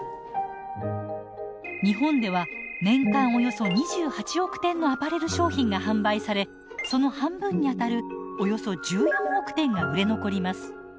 日本では年間およそ２８億点のアパレル商品が販売されその半分にあたるおよそ１４億点が売れ残ります。